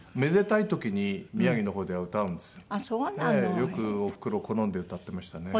よくおふくろ好んで歌ってましたね。